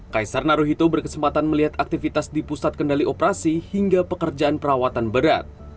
kaisar naruhito berkesempatan melihat aktivitas di pusat kendali operasi hingga pekerjaan perawatan berat